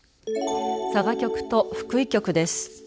佐賀局と福井局です。